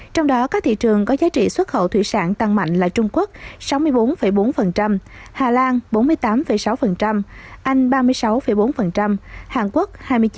trong đó các thị trường có giá trị xuất khẩu thủy sản tăng mạnh là trung quốc sáu mươi bốn bốn hà lan bốn mươi tám sáu anh ba mươi sáu bốn hàn quốc hai mươi chín